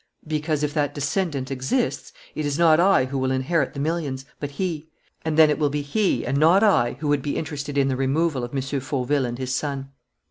"Because, if that descendant exists, it is not I who will inherit the millions, but he; and then it will be he and not I who would be interested in the removal of M. Fauville and his son."